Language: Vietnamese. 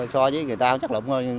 so với người ta không có chất lượng